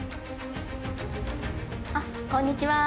あっこんにちは。